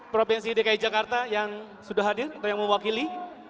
provinsi dki jakarta yang sudah hadir atau yang mewakili